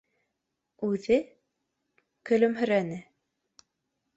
Үҙе көлөмһөрәне: